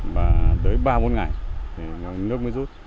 và tới ba môn ngày thì nước mới rút